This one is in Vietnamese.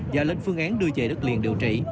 và lên phương án đưa về đất liền điều trị